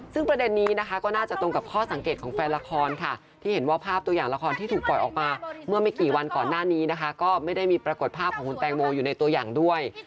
ซึ่งประเด็นนี้นะคะก็น่าจะตรงกับข้อสังเกตของแฟนละครค่ะที่เห็นว่าภาพตัวอย่างละครที่ถูกปล่อยออกมาเมื่อไม่กี่วันก่อนหน้านี้นะคะก็ไม่ได้มีปรากฏภาพของคุณแตงโมอยู่ในตัวอย่างด้วย